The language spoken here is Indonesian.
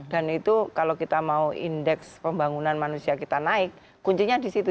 dan itu kalau kita mau indeks pembangunan manusia kita naik kuncinya di situ